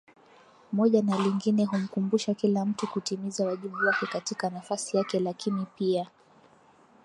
moja na lingine Humkumbusha kila mtu kutimiza wajibu wake katika nafasi yake Lakini pia